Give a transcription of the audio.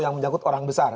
yang menyangkut orang besar